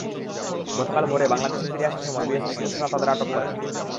গতকাল ভোরে বাংলাদেশে ফিরে আসার সময় বিএসএফ সদস্যরা তাঁদের আটক করেন।